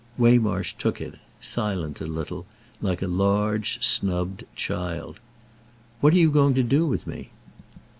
Waymarsh took it—silent a little—like a large snubbed child "What are you going to do with me?"